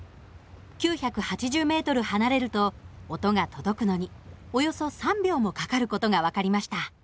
９８０ｍ離れると音が届くのにおよそ３秒もかかる事が分かりました。